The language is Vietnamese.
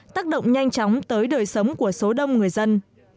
tác động nhanh chóng tới đời sống của số đông người dân